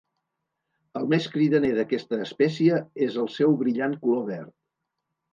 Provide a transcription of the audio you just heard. El més cridaner d'aquesta espècie és el seu brillant color verd.